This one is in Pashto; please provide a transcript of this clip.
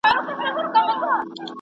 دا نظم مي ,